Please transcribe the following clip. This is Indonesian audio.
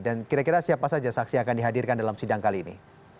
dan kira kira siapa saja saksi yang akan dihadirkan dalam sidang kali ini